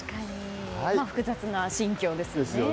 複雑な心境ですよね。